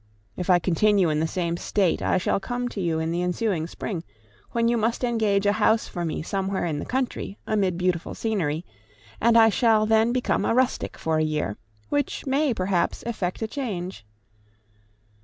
If I continue in the same state, I shall come to you in the ensuing spring, when you must engage a house for me somewhere in the country, amid beautiful scenery, and I shall then become a rustic for a year, which may perhaps effect a change.